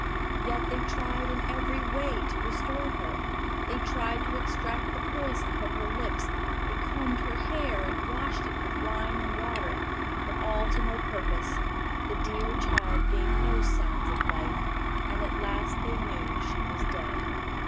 Yet they tried in every way to restore her; they tried to extract the poison from her lips, they combed her hair, and washed it with wine and water, but all to no purpose: the dear child gave no signs of life, and at last they knew she was dead.